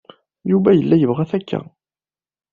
Yuba yella yebɣa-t akka.